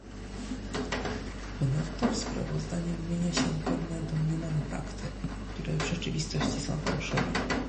Ponadto w sprawozdaniu wymienia się pewne domniemane fakty, które w rzeczywistości są fałszywe